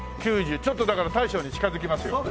ちょっとだから大将に近づきますよ。